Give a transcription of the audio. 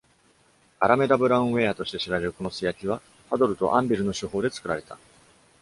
アラメダ・ブラウン・ウェアとして知られるこの素焼きは、パドルとアンビルの手法でつくられた。